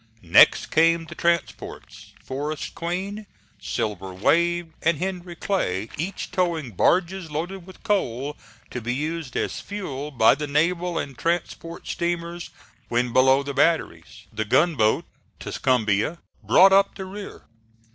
Next came the transports Forest Queen, Silver Wave and Henry Clay, each towing barges loaded with coal to be used as fuel by the naval and transport steamers when below the batteries. The gunboat Tuscumbia brought up the rear.